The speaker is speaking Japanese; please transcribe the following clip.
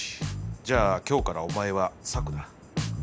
じゃあ今日からお前はサクだ。